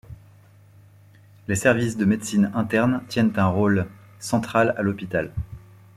Les services de médecine interne tiennent un rôle central à l’hôpital.